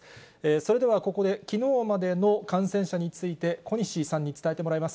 それではここで、きのうまでの感染者について、小西さんに伝えてもらいます。